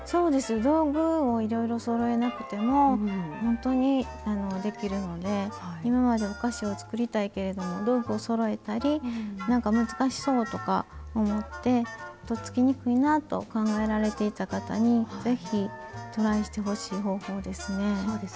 道具をいろいろそろえなくても本当にできるので今までお菓子を作りたいけれども道具をそろえたり難しそうとか思ってとっつきにくいなと考えられてた方にぜひトライしてほしい方法ですね。